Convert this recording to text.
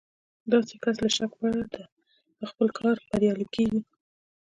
داسې کس له شکه پرته په خپل کار بريالی کېږي.